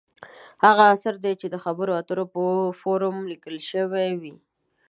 هغه اثر دی چې د خبرو اترو په فورم لیکل شوې وي.